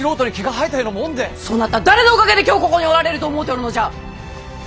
そなた誰のおかげで今日ここにおられると思うておるのじゃ！